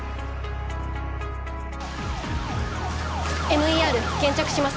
ＭＥＲ現着します